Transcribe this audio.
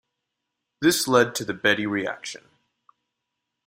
This led to the Betti reaction.